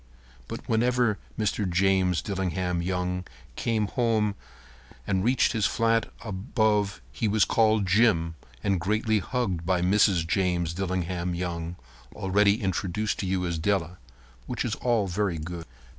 But whenever Mr. James Dillingham Young came home and reached his flat above he was called "Jim" and greatly hugged by Mrs. James Dillingham Young, already introduced to you as Della. Which is all very good.